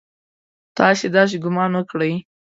تاسې داسې ګومان وکړئ!